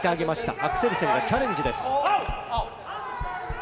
アクセルセンがチャレンジです。